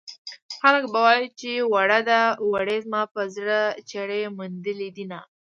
خلک به وايي چې وړه ده وړې زما په زړه چړې منډلې دينه